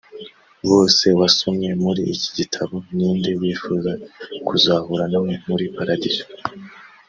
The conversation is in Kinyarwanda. bose wasomye muri iki gitabo ni nde wifuza kuzahura na we muri paradizo